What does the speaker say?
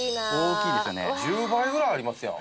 １０倍ぐらいありますやん。